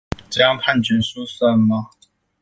這樣判決書算嗎？